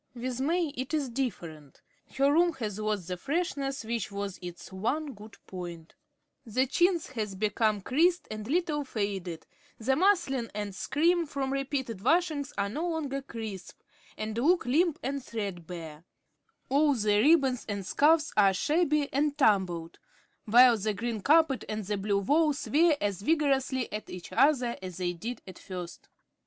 With May it is different. Her room has lost the freshness which was its one good point. The chintz has become creased and a little faded, the muslin and scrim from repeated washings are no longer crisp, and look limp and threadbare; all the ribbons and scarfs are shabby and tumbled; while the green carpet and the blue wall "swear" as vigorously at each other as they did at first.